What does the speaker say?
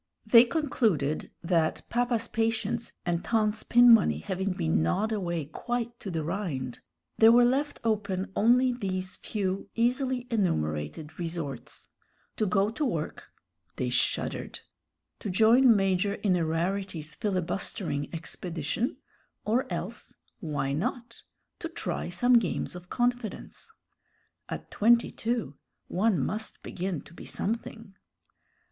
They concluded that, papa's patience and tante's pin money having been gnawed away quite to the rind, there were left open only these few easily enumerated resorts: to go to work they shuddered; to join Major Innerarity's filibustering expedition; or else why not? to try some games of confidence. At twenty two one must begin to be something.